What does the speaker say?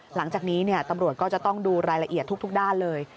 หลังจากนี้ตำรวจก็จะต้องดูรายละเอียดทุกด้านเลย